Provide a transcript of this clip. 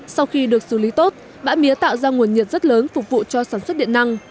sau khi được xử lý tốt bã mía tạo ra nguồn nhiệt rất lớn phục vụ cho sản xuất điện năng